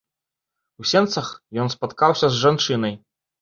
У сенцах ён спаткаўся з жанчынай.